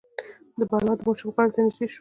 بلا د ماشوم غاړې ته نژدې شو.